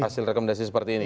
hasil rekomendasi seperti ini